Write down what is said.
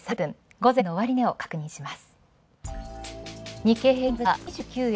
午前の終値を確認します。